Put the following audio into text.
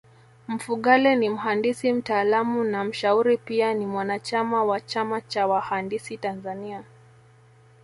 Mfugale ni mhandisi mtaalamu na mshauri Pia ni mwanachama wa chama cha wahandisi Tanzania